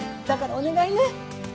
だからお願いね！